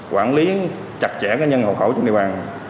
quản lý chặt chẽ nhân hộ khẩu trên địa bàn